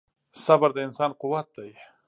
• صبر د انسان قوت دی.